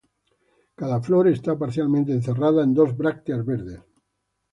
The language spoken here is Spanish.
Cada flor está parcialmente encerrada en dos brácteas verdes.